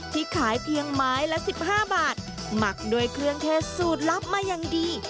ที่ขายเพียงไม้ละ๑๕บาทหมักด้วยเครื่องเทศสูตรลับมาอย่างดี